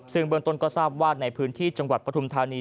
ซึ่งเบื้องต้นก็ทราบว่าในพื้นที่จังหวัดปฐุมธานี